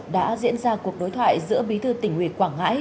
đã diễn ra cuộc đối thoại giữa bí thư tỉnh ủy quảng ngãi